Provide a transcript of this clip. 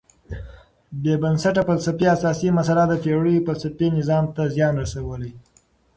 بېبنسټه فلسفي اساسي مسئله د پېړیو فلسفي نظام ته زیان رسولی.